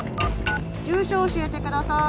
住所教えて下さい。